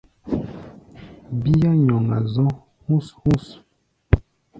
Bíá nyɔŋa zɔ̧́ hú̧s-hú̧s.